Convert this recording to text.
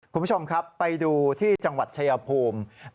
คุณผู้ชมครับไปดูที่จังหวัดชายภูมิ